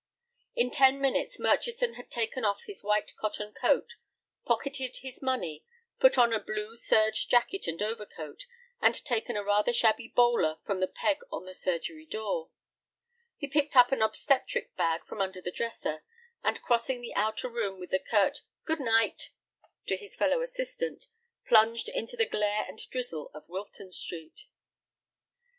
In ten minutes Murchison had taken off his white cotton coat, pocketed his money, put on a blue serge jacket and overcoat, and taken a rather shabby bowler from the peg on the surgery door. He picked up an obstetric bag from under the dresser, and crossing the outer room with a curt "good night" to his fellow assistant, plunged into the glare and drizzle of Wilton High Street.